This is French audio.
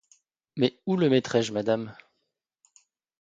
Mais où le mettrai-je, madame?